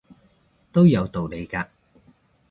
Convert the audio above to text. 都有道理嘅